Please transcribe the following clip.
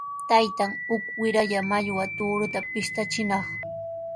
Taytan uk wiralla mallwa tuuruta pishtachinaq.